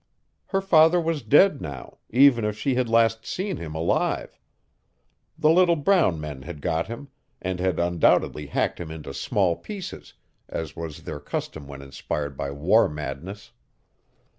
Her father was dead now, even if she had last seen him alive. The little brown men had got him, and had undoubtedly hacked him into small pieces, as was their custom when inspired by war madness.